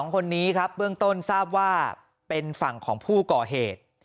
๒คนนี้ครับเบื้องต้นทราบว่าเป็นฝั่งของผู้ก่อเหตุ